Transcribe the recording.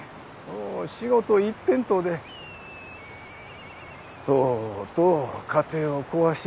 もう仕事一辺倒でとうとう家庭を壊してしもうて。